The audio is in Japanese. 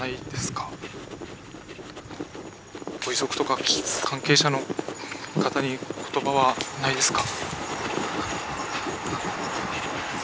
ご遺族とか関係者の方に言葉はないですか？